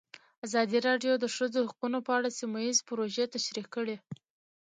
ازادي راډیو د د ښځو حقونه په اړه سیمه ییزې پروژې تشریح کړې.